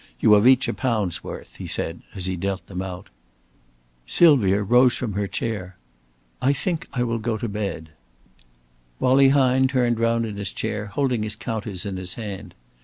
You have each a pound's worth," he said as he dealt them out. Sylvia rose from her chair. "I think I will go to bed." Wallie Hine turned round in his chair, holding his counters in his hand.